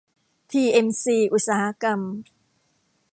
ที เอ็ม ซี อุตสาหกรรม